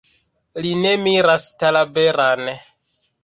Li ne miras Talaberan.